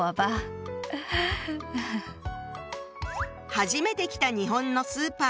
初めて来た日本のスーパー。